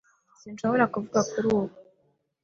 Sinshobora kuvuga kuri ubu.